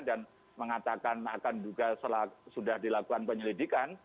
mengatakan akan juga sudah dilakukan penyelidikan